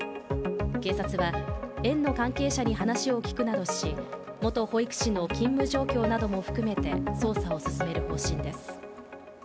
警察は園の関係者に話を聞くなどし、元保育士の勤務状況なども含めて捜査を進める方針です。